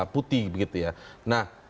putih begitu ya nah